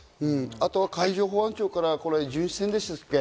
あとは海上保安庁から巡視船でしたっけ？